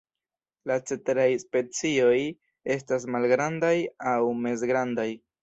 La ceteraj specioj estas malgrandaj aŭ mezgrandaj.